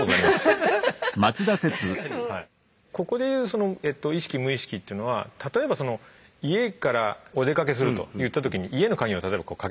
ここで言う意識無意識っていうのは例えば家からお出かけするといった時に家の鍵をかけたりするわけですね。